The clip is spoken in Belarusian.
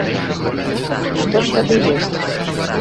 Што ж тады ёсць?